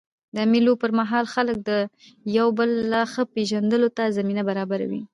د مېلو پر مهال خلک د یو بل لا ښه پېژندلو ته زمینه برابروي.